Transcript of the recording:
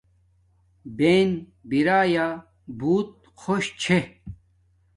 بہن بیرایا بوت خوش چھے